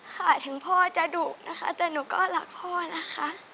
ค่ะถึงพ่อจะดุนะคะแต่หนูก็รักพ่อนะคะ